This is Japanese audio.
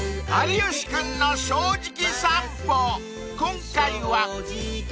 ［今回は］